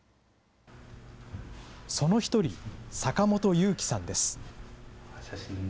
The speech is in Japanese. その一人、坂本友輝さんです。